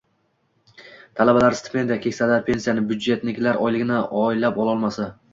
Talabalar stipendiya, keksalar pensiyani, byudjetniklar oyligini oylab ololmasa...